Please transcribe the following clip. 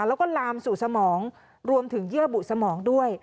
แล้วก็ลามสู่สมองรวมถึงเยื่อบุสมองด้วย